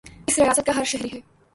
اس ریاست کا ہر شہری ہے